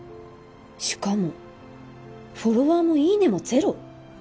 しかもフォロワーもいいね！もゼロ！？